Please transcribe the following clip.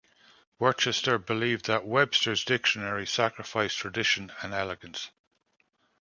Worcester believed that Webster's dictionary sacrificed tradition and elegance.